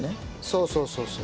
そうそうそうそう。